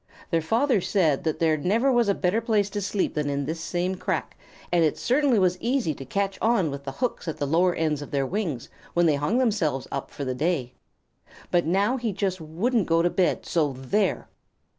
Their father said that there never was a better place to sleep than in this same crack, and it certainly was easy to catch on with the hooks at the lower ends of their wings when they hung themselves up for the day. But now he just wouldn't go to bed, so there!